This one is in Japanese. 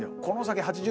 この先